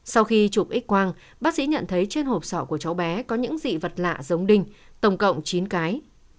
sau khi chụp x quang bác sĩ nhận thấy trên hộp sỏ của cháu bé có những dị vật lạ giống đinh tổng cộng chín cái